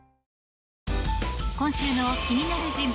今週の気になる人物